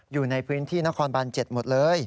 อยู่ในพื้นที่นครบาน๗หมดเลย